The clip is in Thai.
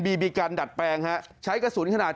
บีบีกันดัดแปลงฮะใช้กระสุนขนาด